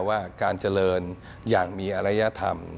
ว่าการเจริญอย่างมีอรยธรรม